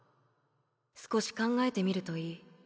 少し考えてみるといい